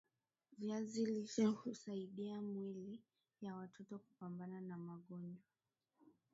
viazi lishe husaidia miili ya watoto kupambana na magojwa